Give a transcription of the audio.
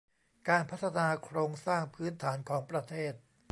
การพัฒนาโครงสร้างพื้นฐานของประเทศ